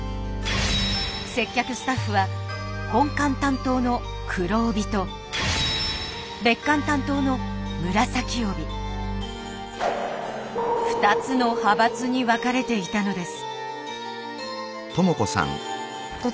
接客スタッフは本館担当の「黒帯」と別館担当の「紫帯」２つの派閥に分かれていたのです。